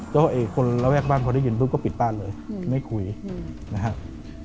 ก็คนระแวกบ้านพอได้ยินปุ๊บก็ปิดบ้านเลยไม่คุยนะครับ